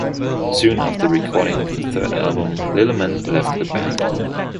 Soon after the recording of the third album Lillman left the band.